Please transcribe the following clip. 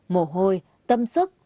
mồ hôi tâm sức